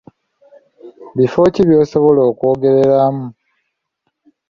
Bifo ki by’osobola okwogereramu